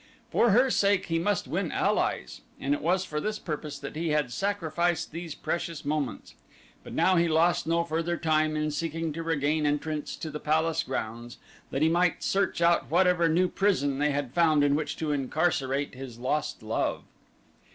For her sake he must win allies and it was for this purpose that he had sacrificed these precious moments, but now he lost no further time in seeking to regain entrance to the palace grounds that he might search out whatever new prison they had found in which to incarcerate his lost love.